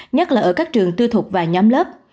nhất là ở các trường tư thuộc và nhóm lớp